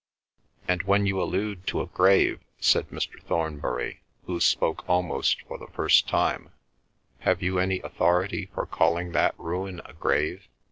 "And when you allude to a grave," said Mr. Thornbury, who spoke almost for the first time, "have you any authority for calling that ruin a grave?